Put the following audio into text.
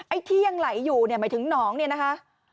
ไอ้ที่ยังไหลอยู่เนี่ยหมายถึงหนองเนี่ยนะคะ